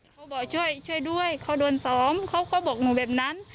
เขาบอกช่วยช่วยด้วยเขาโดนซ้อมเขาก็บอกหนูแบบนั้น